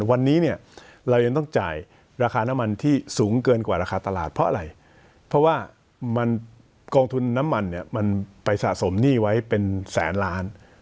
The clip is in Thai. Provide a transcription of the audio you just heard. วันนี้เนี่ยเรายังต้องจ่ายราคาน้ำมันที่สูงเกินกว่าราคาตลาดเพราะอะไรเพราะว่ากองทุนน้ำมันเนี่ยมันไปสะสมหนี้ไว้เป็นแสนล้าน